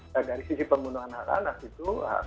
dari sisi pemenuhan anak anak itu